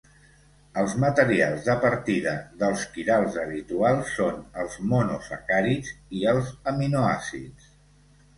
Els materials de partida dels quirals habituals són els monosacàrids i els aminoàcids.